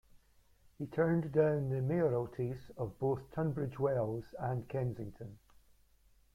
He turned down the mayoralties of both Tunbridge Wells and Kensington.